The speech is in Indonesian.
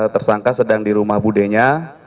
tersangka sedang di rumah budenya